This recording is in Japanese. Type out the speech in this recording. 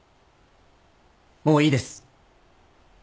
もういいです。